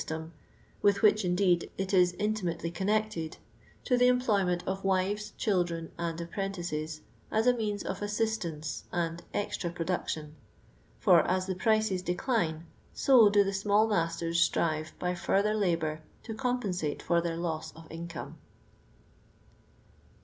Hiemj with which, indenl, it is inti mat«»iy connected, to the employment of wives. c:iii.ire:i. and anprentices, as nmeanf of a«<''«tance and xtra produetioji f..r .is the prices d viine m do the saiali nia^tiTsi strive by further '..niur t J c »mp n>at fir thiir loss of income.